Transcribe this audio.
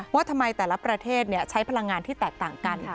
ว่าทำไมแต่ละประเทศใช้พลังงานที่แตกต่างกัน